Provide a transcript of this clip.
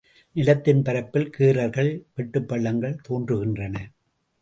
நிலத்தின் பரப்பில் கீறல்கள், வெட்டுப் பள்ளங்கள் தோன்றுகின்றன.